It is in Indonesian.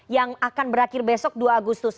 yang akan berakhir besok dua agustus